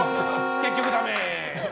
結局ダメ！